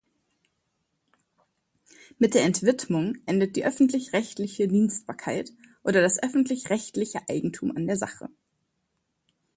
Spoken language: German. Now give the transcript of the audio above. Mit der Entwidmung endet die öffentlich-rechtliche Dienstbarkeit oder das öffentlich-rechtliche Eigentum an der Sache.